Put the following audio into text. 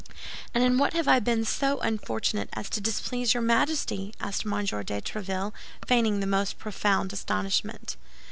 "And in what have I been so unfortunate as to displease your Majesty?" asked M. de Tréville, feigning the most profound astonishment.